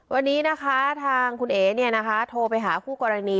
วันนี้นะคะทางคุณเอ๋โทรไปหาคู่กรณี